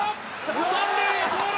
三塁に盗塁！